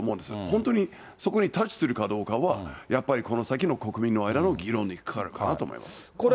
本当にそこにタッチするかどうかは、やっぱりこの先の国民の議論に関わるかなと思います。